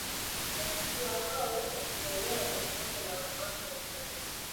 Washtakiwa hao wa kiraia ni pamoja na wanawake wanNe